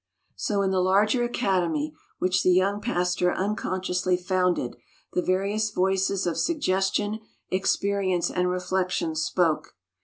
So in the larger academy which the young pastor unconsciously founded the various voices of suggestion, experience, and reflection spoke.